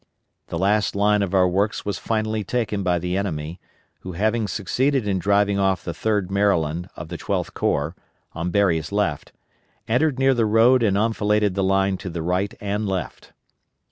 The last line of our works was finally taken by the enemy, who having succeeded in driving off the 3d Maryland of the Twelfth Corps, on Berry's left, entered near the road and enfiladed the line to the right and left.